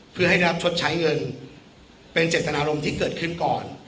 เพื่อให้ได้รับชดใช้เงินเป็นเจตนารมณ์ที่เกิดขึ้นก่อน